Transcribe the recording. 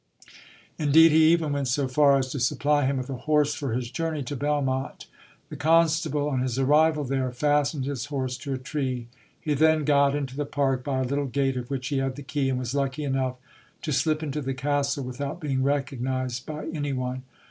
Indeed, he even went so far as to supply him with a horse for his journey to Belmonte. The constable on his arrival there fastened his horse to a tree. He then got into the park by a little gate of which he had the key, and was lucky enough to slip into the castle without being recognized by any one.